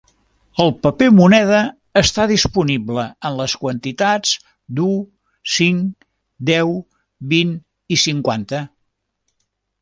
El paper moneda està disponible en les quantitats d'u, cinc, deu, vint i cinquanta.